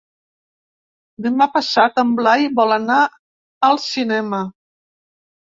Demà passat en Blai vol anar al cinema.